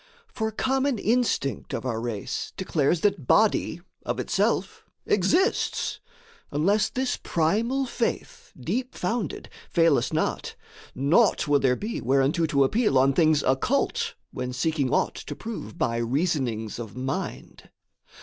For common instinct of our race declares That body of itself exists: unless This primal faith, deep founded, fail us not, Naught will there be whereunto to appeal On things occult when seeking aught to prove By reasonings of mind.